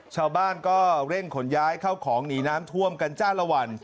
ชาวบ้านก็เร่งขนย้ายเข้าของหนีน้ำท่วมกันจ้าละวัน